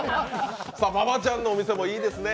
馬場ちゃんのお店もいいですね。